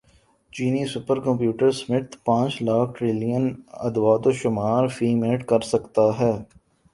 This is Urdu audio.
چینی سپر کمپیوٹر سمٹ پانچ لاکھ ٹریلین اعدادوشمار فی منٹ کر سکتا ہے